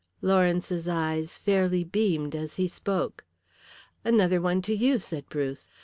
Lawrence's eyes fairly beamed as he spoke. "Another one to you," said Bruce.